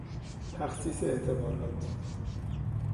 تخصیص اعتبارات